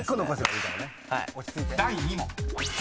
［第２問］